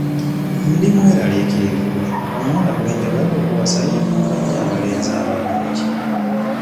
Ndi mweraliikirivu omuwala gwe njagala okuwasa yeegomba nnyo abalenzi abalungi.